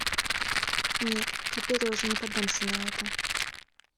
Нет, теперь я уже не поддамся на это!